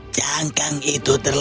jangkang itu terlalu